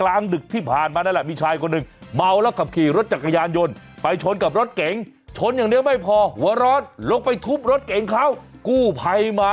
เรื่องราวจะจบแบบไหนไปดูแหละ